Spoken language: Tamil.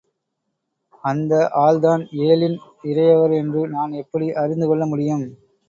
அந்த ஆள்தான் ஏழின் இறையவர் என்று நான் எப்படி அறிந்துகொள்ள முடியும்?